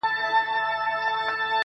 اوس لا د گرانښت څو ټكي پـاتــه دي,